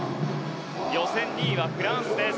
予選２位はフランスです。